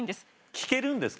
聞けるんですか？